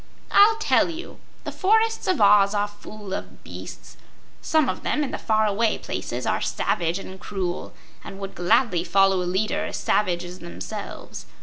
"I'll tell you. The forests of Oz are full of beasts. Some of them, in the far away places, are savage and cruel, and would gladly follow a leader as savage as themselves.